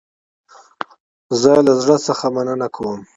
زه له زړه څخه مننه کوم